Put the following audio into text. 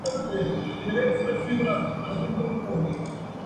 Tras la contienda, todo el templo fue restaurado.